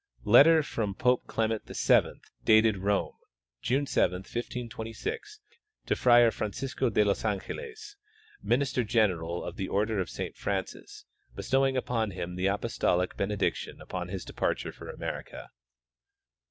Letter from Pope Clement VII, dated Rome, June 7, 1526, to Friar Francisco de los Angeles, minister general of the order of Saint Francis, bestowing upon him the apostolic bene diction upon his departure for America.